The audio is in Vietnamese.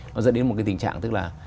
nó dẫn đến một cái tình trạng tức là